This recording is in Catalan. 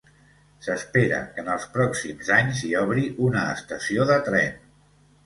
S'espera que en els pròxims anys s'hi obri una estació de tren.